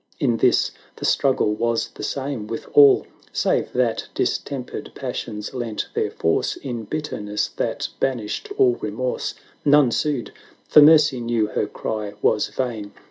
In this the struggle was the same with all ; Save that distempered passions lent their force In bitterness that banished all remorse. None sued, for Mercy knew her cry was vain.